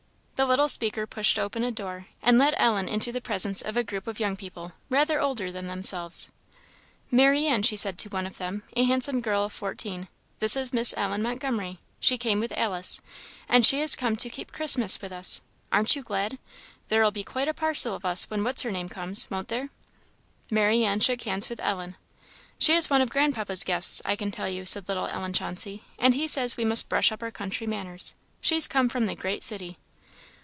The little speaker pushed open a door, and led Ellen into the presence of a group of young people, rather older than themselves. "Marianne," said she to one of them, a handsome girl of fourteen, "this is Miss Ellen Montgomery she came with Alice, and she is come to keep Christmas with us aren't you glad? There'll be quite a parcel of us when what's her name comes won't there?" Marianne shook hands with Ellen. "She is one of grandpapa's guests, I can tell you," said little Ellen Chauncey; "and he says we must brush up our country manners she's come from the great city."